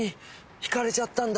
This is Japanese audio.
ひかれちゃったんだ。